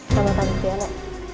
sama tante tiana